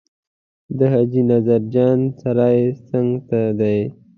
د حاجي نظر جان سرای څنګ ته دی.